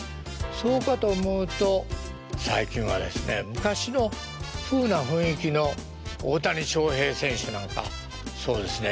そうかと思うと最近はですね昔のふうな雰囲気の大谷翔平選手なんかそうですね。